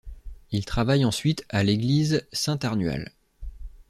Il travaille ensuite à l'église Saint-Arnual.